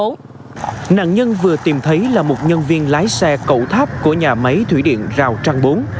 nạn nhân vừa tìm thấy là một nhân viên lái xe cậu tháp của nhà máy thủy điện giao trang bốn